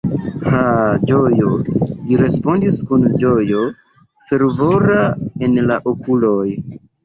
Ha, ĝojo! li respondis kun ĝojo fervora en la okuloj.